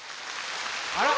あら。